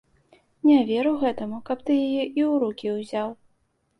Не веру гэтаму, каб ты яе і ў рукі ўзяў.